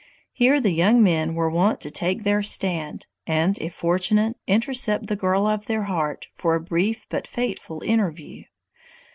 Here the young men were wont to take their stand, and, if fortunate, intercept the girl of their heart for a brief but fateful interview.